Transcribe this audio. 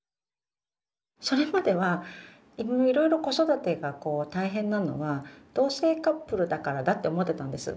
それまではいろいろ子育てが大変なのは同性カップルだからだって思ってたんです。